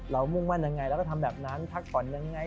มุ่งมั่นยังไงเราก็ทำแบบนั้นพักผ่อนยังไง